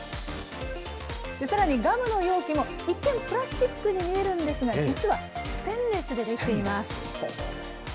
さらにガムの容器も、一見プラスチックに見えるんですが、実はステンレスで出来ています。